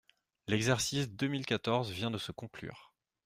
L’exercice deux mille quatorze vient de se conclure.